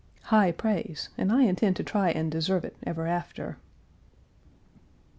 High praise, and I intend to try and deserve it ever after.